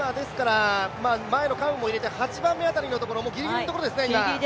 前のカウンも入れて、８番目あたりのところ、ぎりぎりのところですね、今。